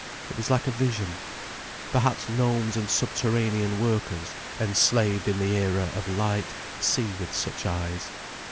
It was like a vision. Perhaps gnomes and subterranean workers, enslaved in the era of light, see with such eyes.